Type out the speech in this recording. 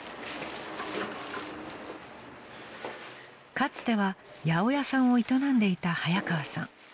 ［かつては八百屋さんを営んでいた早川さん］